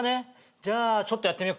じゃあちょっとやってみよっか。